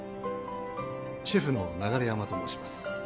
シェフの流山と申します。